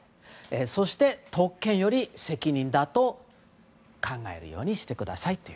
そして、特権より責任だと考えるようにしてくださいと。